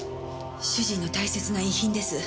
主人の大切な遺品です。